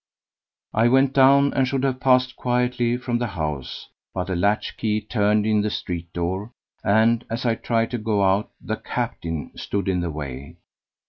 I went down, and should have passed quietly from the house, but a latch key turned in the street door, and, as I tried to go out, the "Captain" stood in the way.